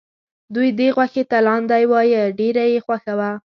دوی دې غوښې ته لاندی وایه ډېره یې خوښه وه.